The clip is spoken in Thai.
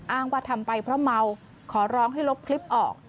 อ้างว่าทำไปเพราะเมาขอร้องให้ลบคลิปออก